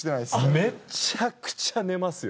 めっちゃくちゃ寝ますよ。